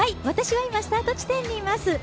私は今、スタート地点にいます。